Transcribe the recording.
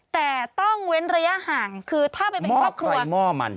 แต่ต้องเว้นระยะห่างคือถ้าไปเป็นครอบครัวมัน